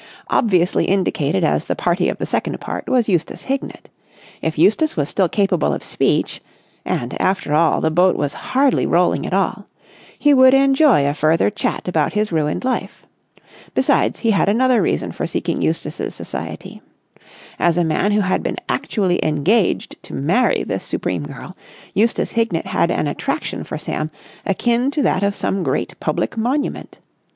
Obviously indicated as the party of the second part was Eustace Hignett. If Eustace was still capable of speech—and after all the boat was hardly rolling at all—he would enjoy a further chat about his ruined life. Besides, he had another reason for seeking Eustace's society. As a man who had been actually engaged to marry this supreme girl, Eustace Hignett had an attraction for Sam akin to that of some great public monument.